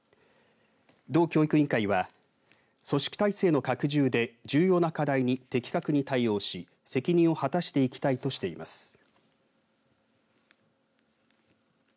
道教育委員会は組織体制の拡充で重要な課題に的確に対応し責任を果たしていきたいとしています。